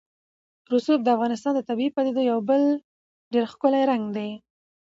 رسوب د افغانستان د طبیعي پدیدو یو بل ډېر ښکلی رنګ دی.